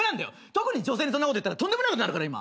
特に女性にそんなこと言ったらとんでもないことになるから今。